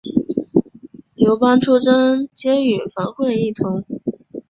刘邦出征皆与樊哙一同。